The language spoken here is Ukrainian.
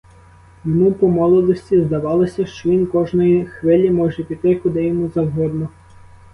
Йому по молодості здавалося, що він кожної хвилі може піти куди йому завгодно.